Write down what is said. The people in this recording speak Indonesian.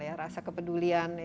ya rasa kepedulian